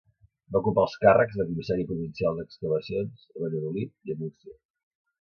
Va ocupar els càrrecs de Comissari Provincial d'Excavacions a Valladolid i a Múrcia.